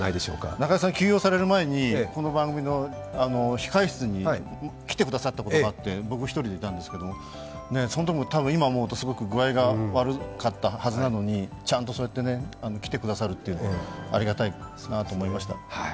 中居さん、休養される前にこの番組の控室に来てくださったことがあって、僕一人でいたんですけど、そのときも、たぶん今思うと具合が悪かったはずなのにちゃんとそうやって来てくださるというのありがたいなと思いました。